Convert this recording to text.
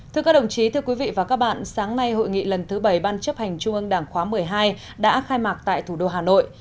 thưa các đồng chí thưa quý vị và các bạn sáng nay hội nghị lần thứ bảy ban chấp hành trung ương đảng khóa một mươi hai đã khai mạc tại thủ đô hà nội